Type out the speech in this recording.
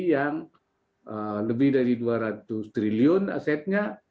yang lebih dari dua ratus triliun asetnya